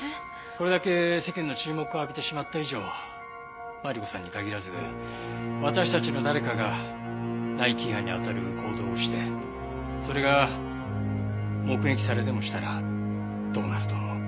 これだけ世間の注目を浴びてしまった以上マリコさんに限らず私たちの誰かが内規違反に当たる行動をしてそれが目撃されでもしたらどうなると思う？